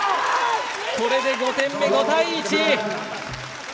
これで５点目、５対１！